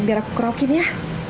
biar aku kerokin ya